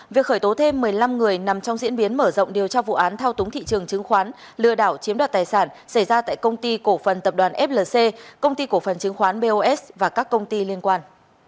việc khởi tố thêm một mươi năm người nằm trong diễn biến mở rộng điều tra vụ án thao túng thị trường chứng khoán lừa đảo chiếm đoạt tài sản xảy ra tại công ty cổ phần tập đoàn flc công ty cổ phần chứng khoán bos và các công ty liên quan